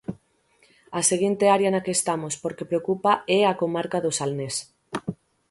A seguinte área na que estamos porque preocupa é a comarca do Salnés.